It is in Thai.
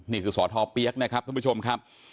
นี่คือสอทอเปี๊ยกนะครับคุณผู้ชมครับ